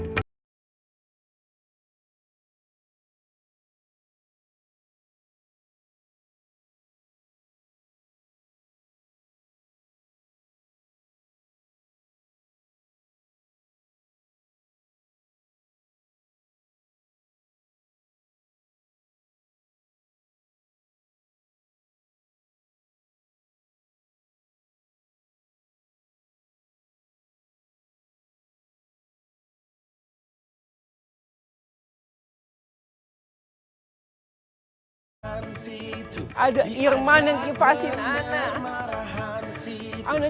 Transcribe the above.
busur ini buku mana ya